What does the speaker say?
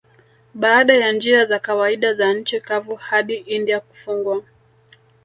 Baada ya njia za kawaida za nchi kavu hadi India kufungwa